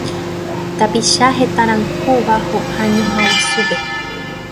Tapicha hetãrayhúva ho'a ñuhã guasúpe